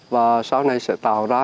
và sau này sẽ tạo ra